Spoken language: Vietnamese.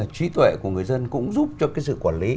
trí tuệ của người dân cũng giúp cho cái sự quản lý